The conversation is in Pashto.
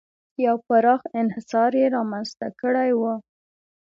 یو پراخ انحصار یې رامنځته کړی و.